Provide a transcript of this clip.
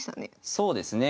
そうですね。